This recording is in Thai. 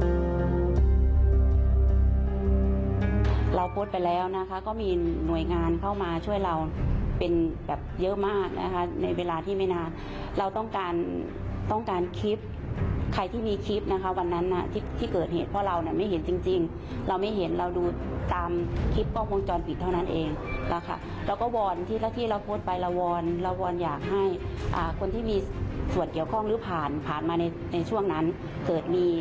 มีความรู้สึกว่ามีความรู้สึกว่ามีความรู้สึกว่ามีความรู้สึกว่ามีความรู้สึกว่ามีความรู้สึกว่ามีความรู้สึกว่ามีความรู้สึกว่ามีความรู้สึกว่ามีความรู้สึกว่ามีความรู้สึกว่ามีความรู้สึกว่ามีความรู้สึกว่ามีความรู้สึกว่ามีความรู้สึกว่ามีความรู้สึกว่า